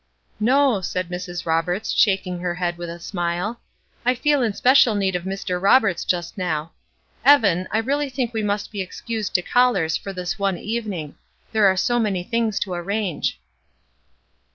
"No," said Mrs. Roberts, shaking her head, with a smile, "I feel in special need of Mr. Roberts just now. Evan, I really think we must be excused to callers for this one evening; there are so many things to arrange."